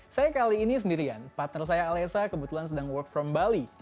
saya kali ini sendirian partner saya alessa kebetulan sedang work from bali